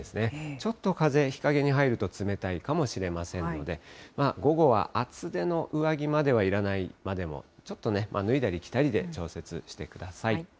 ちょっと風、日陰に入ると冷たいかもしれませんので、午後は厚手の上着まではいらないまでも、ちょっとね、脱いだり着たりで調節してください。